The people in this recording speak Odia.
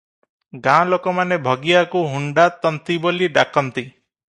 ଗାଁ ଲୋକମାନେ ଭଗିଆକୁ ହୁଣ୍ତା ତନ୍ତୀ ବୋଲି ଡାକନ୍ତି ।